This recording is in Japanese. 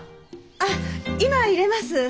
あっ今いれます。